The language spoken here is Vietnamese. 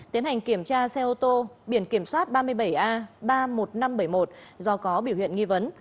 tiến hành kiểm tra xe ô tô biển kiểm soát ba mươi bảy a ba mươi một nghìn năm trăm bảy mươi một do có biểu hiện nghi vấn